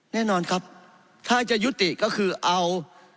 แน่นอนครับถ้าจะยุติก็คือเอา